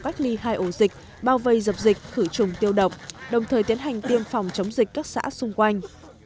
cách ly hai ổ dịch bao vây dập dịch khử trùng tiêu độc đồng thời tiến hành tiêm phòng chống dịch các xã xung quanh